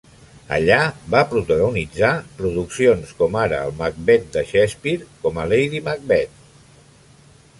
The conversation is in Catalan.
Allà va protagonitzar produccions com ara el Macbeth de Shakespeare, com a Lady Macbeth.